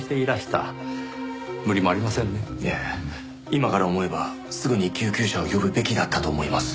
今から思えばすぐに救急車を呼ぶべきだったと思います。